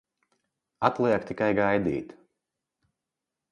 Atliek tikai gaidīt!